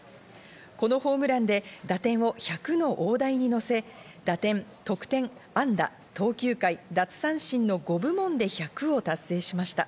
このホームランで打点を１００の大台に乗せ、打点、得点、安打、投球回、奪三振の５部門で１００を達成しました。